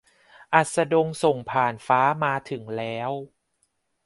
อัสดงส่งผ่านฟ้ามาถึงแล้ว